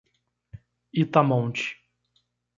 Itamonte